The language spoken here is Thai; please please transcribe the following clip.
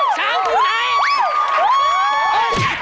ช้างอยู่ไหน